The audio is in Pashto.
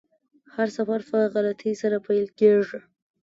هر سفر په غلطۍ سره پیل کیږي.